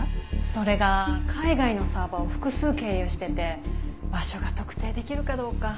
それが海外のサーバーを複数経由してて場所が特定できるかどうか。